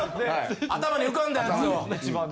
頭に浮かんだやつを。